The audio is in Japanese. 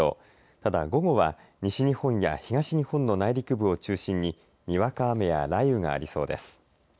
ただ、午後は西日本や東日本の内陸部を中心ににわか雨や雷雨がありそうです。